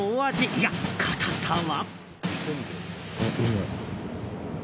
いや硬さは？